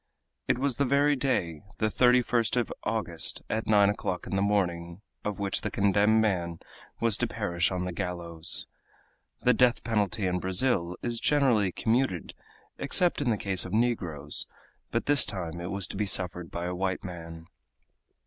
It was the very day the 31st of August, at nine o'clock in the morning of which the condemned man was to perish on the gallows. The death penalty in Brazil is generally commuted except in the case of negroes, but this time it was to be suffered by a white man.